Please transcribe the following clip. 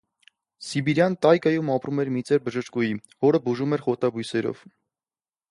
Սիբիրյան տայգայում ապրում էր մի ծեր բժշկուհի, որը բուժում էր խոտաբույսերով։